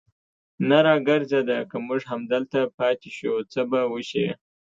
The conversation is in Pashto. نه را ګرځېده، که موږ همدلته پاتې شو، څه به وشي.